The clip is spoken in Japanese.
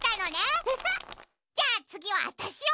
じゃあつぎはわたしよ！